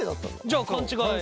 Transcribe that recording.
じゃあ勘違い。